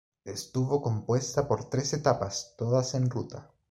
Estuvo compuesta por tres etapas, todas en ruta.